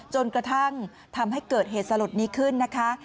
จนกระทั่งทำให้เกิดเหตุสลดนี้ขึ้นนะคะ